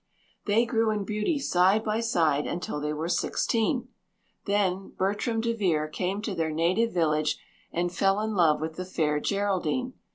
"They grew in beauty side by side until they were sixteen. Then Bertram DeVere came to their native village and fell in love with the fair Geraldine.